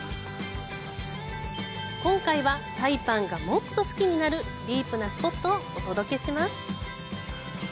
今回は、サイパンがもっと好きになるディープなスポットをお届けします！